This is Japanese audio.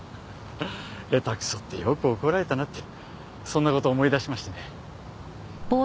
下手くそってよく怒られたなってそんな事を思い出しましてね。